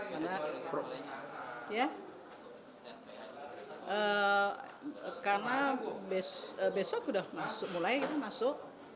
karena besok sudah mulai masuk